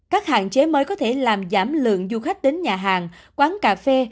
các hạn chế mới có thể làm giảm lượng du khách đến nhà hàng quán cà phê